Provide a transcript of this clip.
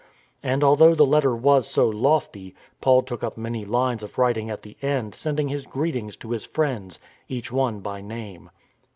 And, although the letter was so lofty, Paul took up many lines of writing at the end sending his greetings to his friends, each one by name.